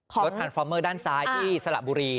รถทันฟอร์มเมอร์ด้านซ้ายที่สระบุรี